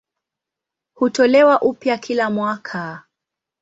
Hutolewa upya kila mwaka.